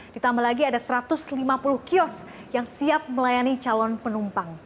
ditambah lagi ada satu ratus lima puluh kios yang siap melayani calon penumpang